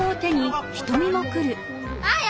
あや！